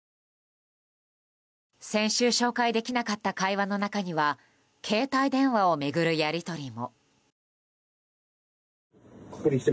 先週、紹介できなかった会話の中には携帯電話を巡るやり取りも。